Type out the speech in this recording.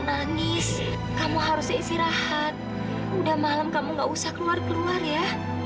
nangis kamu harusnya istirahat udah malam kamu gak usah keluar keluar ya